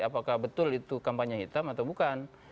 apakah betul itu kampanye hitam atau bukan